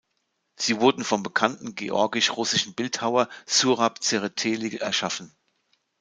Sie wurden vom bekannten georgisch-russischen Bildhauer Surab Zereteli erschaffen.